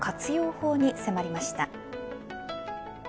法に迫りました。